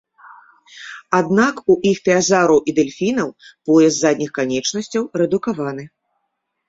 Аднак, у іхтыязаўраў і дэльфінаў пояс задніх канечнасцяў рэдукаваны.